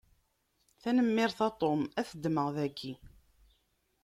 Tanemmirt a Tom, ad t-ddmeɣ daki.